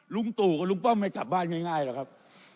ลุงตู่กับลุงป้อมไม่กลับบ้านง่ายหรอกครับ